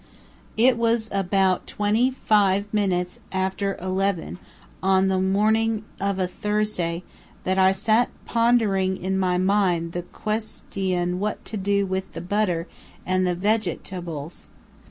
"It was about twenty five minutes after eleven, on the morning of a Thursday, that I sat pondering in my mind the ques ti on what to do with the butter and the veg et ables.